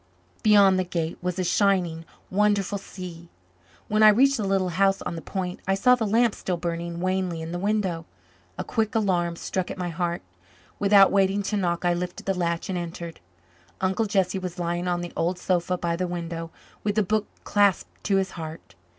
Beyond the Gate was a shining, wonderful sea. When I reached the little house on the point I saw the lamp still burning wanly in the window. A quick alarm struck at my heart. Without waiting to knock, I lifted the latch, and entered. Uncle Jesse was lying on the old sofa by the window, with the book clasped to his heart.